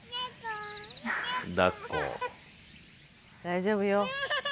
大丈夫よ。